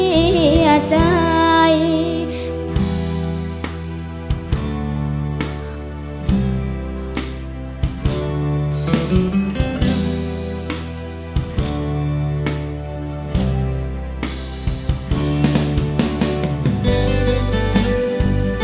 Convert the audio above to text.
มือใจเธอเหมือนดังทะเล